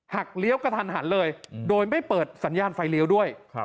เลี้ยวกระทันหันเลยโดยไม่เปิดสัญญาณไฟเลี้ยวด้วย